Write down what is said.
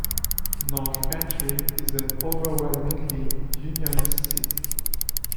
North Antrim is an overwhelmingly unionist seat.